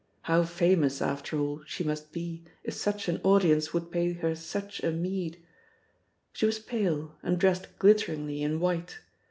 How famous, after all, she must be, if such an audience would pay her such a meed! She was pale, and dressed glitteringly in white.